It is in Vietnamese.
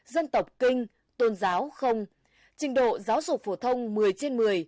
dân tộc kinh tôn giáo không trình độ giáo dục phổ thông một mươi trên một mươi